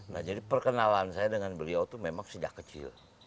nah jadi perkenalan saya dengan beliau itu memang sejak kecil